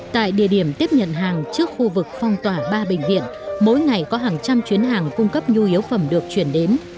tại địa điểm tiếp nhận hàng trước khu vực phong tỏa ba bệnh viện mỗi ngày có hàng trăm chuyến hàng cung cấp nhu yếu phẩm được chuyển đến